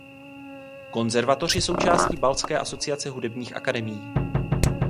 Konzervatoř je součástí Baltské asociace hudebních akademií.